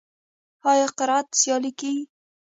آیا قرائت سیالۍ کیږي؟